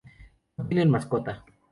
No tienen mascota.